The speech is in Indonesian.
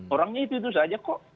orangnya itu itu saja kok